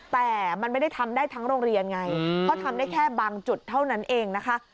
แต่มันไม่ได้ทำได้ทั้งโรงเรียนไงเพราะทำได้แค่บางจุดเท่านั้นเองนะคะ